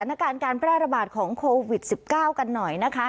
ประสานการณ์การแปรอบาทของโควิด๑๙กันหน่อยนะคะ